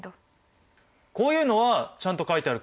こういうのはちゃんと書いてあるからいいよ。